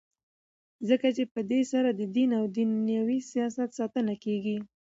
ځکه چي په دی سره ددین او دینوي سیاست ساتنه کیږي.